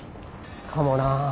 かもな。